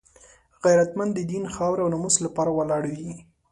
غیرتمند د دین، خاورې او ناموس لپاره ولاړ وي